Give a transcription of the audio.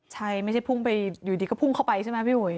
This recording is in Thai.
ใช่ไม่ใช่พุ่งไปอยู่ดีก็พุ่งเข้าไปใช่ไหมพี่อุ๋ย